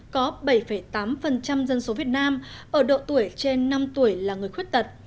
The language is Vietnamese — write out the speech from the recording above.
có bảy tám dân số việt nam ở độ tuổi trên năm tuổi là người khuyết tật